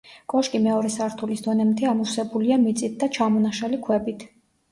კოშკი მეორე სართულის დონემდე ამოვსებულია მიწით და ჩამონაშალი ქვებით.